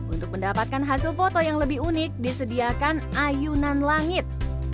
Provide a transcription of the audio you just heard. untuk mendapatkan hasil foto yang lebih unik disediakan ayunan langit